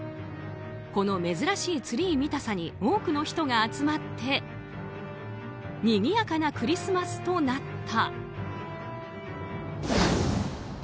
この珍しいツリー見たさに多くの人が集まってにぎやかなクリスマスとなった。